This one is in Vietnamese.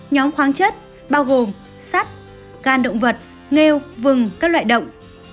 nhóm khoáng chất bao gồm sắt gan động vật nghêu vừng các loại động